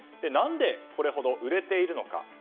何でこれほど売れているのか。